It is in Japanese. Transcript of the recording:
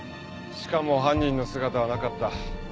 しかも犯人の姿はなかった。